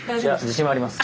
自信はあります。